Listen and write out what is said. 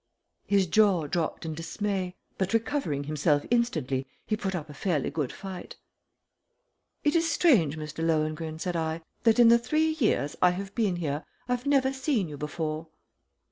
His jaw dropped in dismay, but recovering himself instantly he put up a fairly good fight. "It is strange, Mr. Lohengrin," said I, "that in the three years I have been here I've never seen you before."